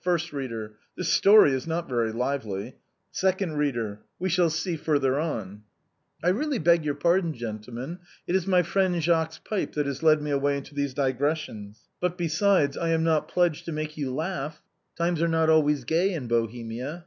First Reader: This story is not very lively. Second Reader: We shall see further on. I really beg your pardon, gentlemen, it is my friend Jacques's pipe that has led me away into these digressions. But, besides, I am not pledged to make you laugh. Times are not always gay in Bohemia.